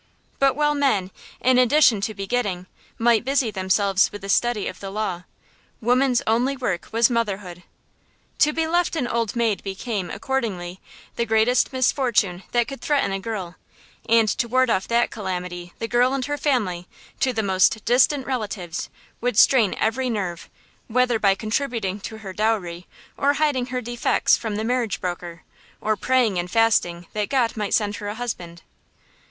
But while men, in addition to begetting, might busy themselves with the study of the Law, woman's only work was motherhood. To be left an old maid became, accordingly, the greatest misfortune that could threaten a girl; and to ward off that calamity the girl and her family, to the most distant relatives, would strain every nerve, whether by contributing to her dowry, or hiding her defects from the marriage broker, or praying and fasting that God might send her a husband.